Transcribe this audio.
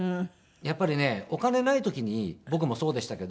やっぱりねお金ない時に僕もそうでしたけど。